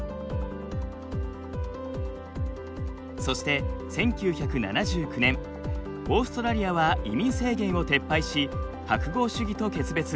そして１９７９年オーストラリアは移民制限を撤廃し白豪主義と決別。